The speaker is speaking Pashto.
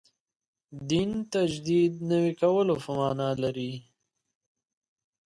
دین تجدید نوي کولو معنا لري.